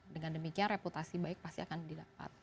dengan demikian reputasi baik pasti akan didapat